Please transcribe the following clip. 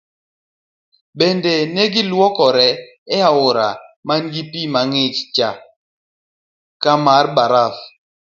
Bende negi luokore e aora man gi pii mang'ich ka mar baraf.